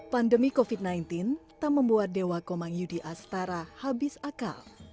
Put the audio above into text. pandemi covid sembilan belas tak membuat dewa komang yudi astara habis akal